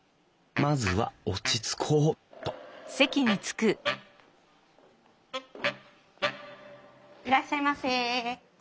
まずは落ち着こうっといらっしゃいませ。